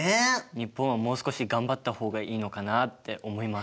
日本はもう少し頑張った方がいいのかなって思います。